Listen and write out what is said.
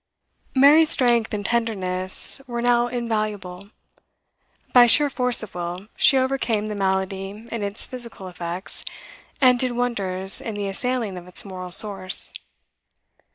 Mary's strength and tenderness were now invaluable. By sheer force of will she overcame the malady in its physical effects, and did wonders in the assailing of its moral source.